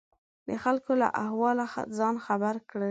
د خلکو له احواله ځان خبر کړي.